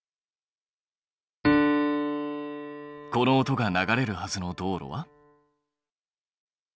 この音が流れるはずの道路は？